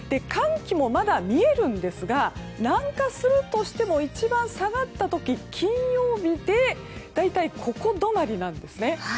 寒気もまだ見えるんですが南下するとしても一番下がった時、金曜日で大体ここ止まりなんです。